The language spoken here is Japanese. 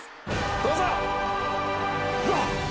どうぞ。